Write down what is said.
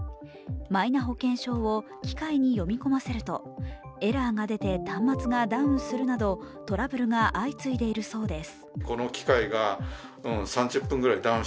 マイナ保険証を機械に読み込ませるとエラーが出て端末がダウンするなどトラブルが相次いでいるそうです。